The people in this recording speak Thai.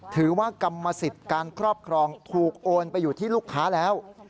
ถือว่ากรรมสิทธิ์การครอบครองถูกโอนไปอยู่ที่ลูกค้าแล้ว